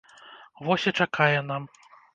Вось і чакае нам.